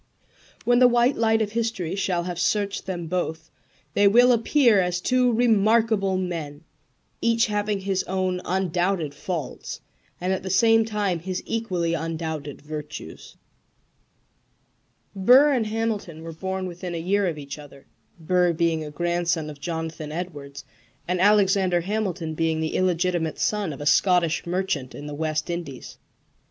When the white light of history shall have searched them both they will appear as two remarkable men, each having his own undoubted faults and at the same time his equally undoubted virtues. Burr and Hamilton were born within a year of each other Burr being a grandson of Jonathan Edwards, and Alexander Hamilton being the illegitimate son of a Scottish merchant in the West Indies.